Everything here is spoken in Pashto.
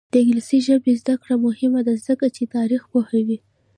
د انګلیسي ژبې زده کړه مهمه ده ځکه چې تاریخ پوهوي.